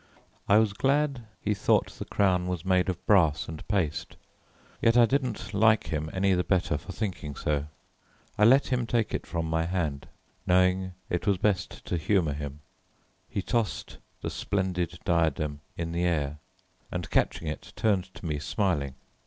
I was glad he thought the crown was made of brass and paste, yet I didn't like him any the better for thinking so. I let him take it from my hand, knowing it was best to humour him. He tossed the splendid diadem in the air, and catching it, turned to me smiling.